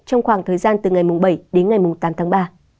trong khoảng thời gian từ ngày bảy đến ngày tám tháng ba